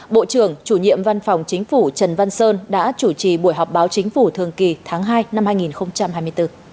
bộ trưởng chủ nhiệm văn phòng chính phủ trần văn sơn đã chủ trì buổi họp báo chính phủ thường kỳ tháng hai năm hai nghìn hai mươi bốn